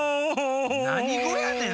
なにごやねん？